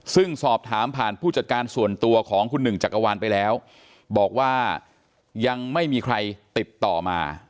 ซึ่งสอบถามผ่านผู้จัดการส่วนตัวของคุณหนึ่งจักรวาลไปแล้วบอกว่ายังไม่มีใครติดต่อมา